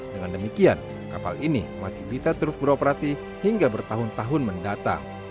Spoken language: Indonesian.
dengan demikian kapal ini masih bisa terus beroperasi hingga bertahun tahun mendatang